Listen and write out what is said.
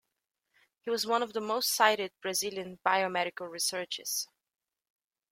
He was one of the most cited Brazilian biomedical researchers.